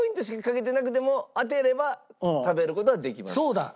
そうだ！